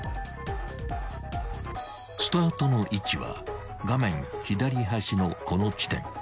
［スタートの位置は画面左端のこの地点］